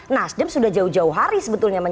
nasdem sudah jauh jauh hari sebetulnya